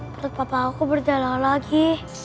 perut papa aku berdarah lagi